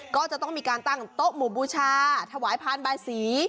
ก็จะต้องมีการตั้งโต๊ะหมู่บูชาถวายพานบายสี